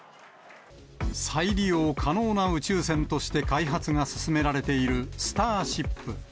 再利用可能な宇宙船として開発が進められている、スターシップ。